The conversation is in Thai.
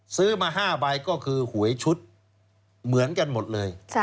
ซื้อมา๕ใบก็คือหวยชุดเหมือนกันหมดเลย